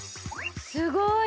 すごい！